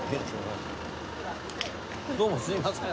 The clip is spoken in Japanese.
どうもすいません。